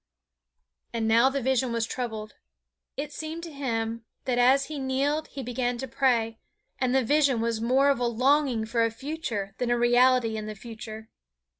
And now the vision was troubled. It seemed to him that as he kneeled he began to pray, and the vision was more of a longing for a future than a reality in the future.